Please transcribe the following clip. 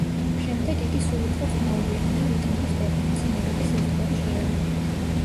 შემდეგ იგი სულ უფრო ხმაურიანი და რიტმული ხდება, მძიმე როკის ერთგვარი ჟღერადობით.